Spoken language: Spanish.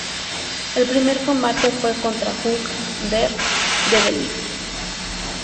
El primer combate fue contra Hugh Dyer de Belice.